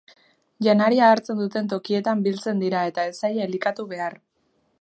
Janaria hartzen duten tokietan biltzen dira eta ez zaie elikatu behar.